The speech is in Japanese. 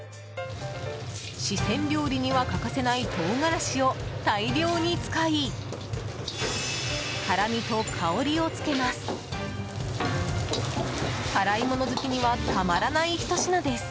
四川料理には欠かせない唐辛子を大量に使い辛みと香りをつけます。